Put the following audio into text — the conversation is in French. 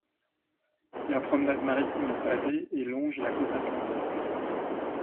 La promenade maritime est pavée et longe la côte atlantique.